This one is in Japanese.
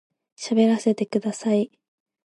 喋らせてください